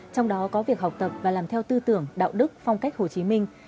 trong đó có việc học tập và làm theo tư tưởng đạo đức phong cách hồ chí minh